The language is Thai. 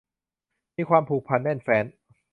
มีความผูกพันแน่นแฟ้น